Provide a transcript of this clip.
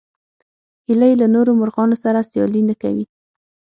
هیلۍ له نورو مرغانو سره سیالي نه کوي